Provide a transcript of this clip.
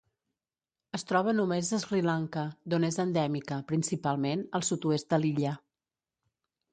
Es troba només a Sri Lanka, d'on és endèmica, principalment al sud-oest de l'illa.